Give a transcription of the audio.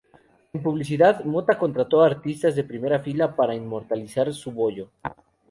En publicidad, Motta contrató a artistas de primera fila para inmortalizar su bollo.